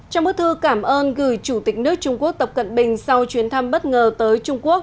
trong bức thư cảm ơn gửi chủ tịch nước trung quốc tập cận bình sau chuyến thăm bất ngờ tới trung quốc